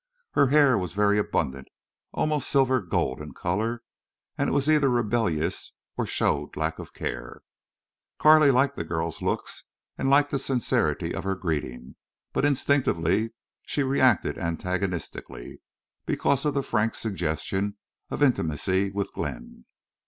Her hair was very abundant, almost silver gold in color, and it was either rebellious or showed lack of care. Carley liked the girl's looks and liked the sincerity of her greeting; but instinctively she reacted antagonistically because of the frank suggestion of intimacy with Glenn.